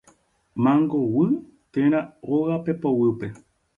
Mangoguy térã óga pepoguýpe